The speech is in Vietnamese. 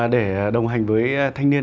để đồng hành với thanh niên